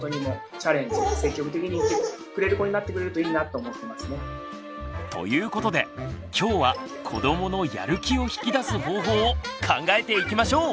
ちょっとでも自分がということで今日は子どものやる気を引き出す方法を考えていきましょう！